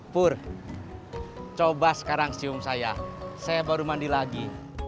pur coba sekarang sium saya saya baru mandi lagi